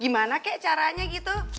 gimana kek caranya gitu